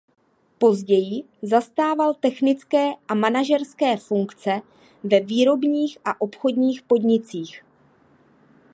Později zastával technické a manažerské funkce ve výrobních a obchodních podnicích.